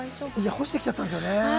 干してきちゃったんですよね。